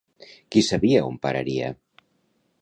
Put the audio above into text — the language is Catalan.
Qui sabia on pararia?